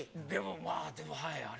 でもまあ、でも、はい。